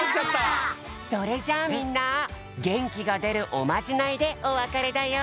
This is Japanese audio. それじゃあみんなげんきがでるおまじないでおわかれだよ！